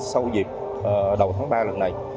sau dịp đầu tháng ba lần này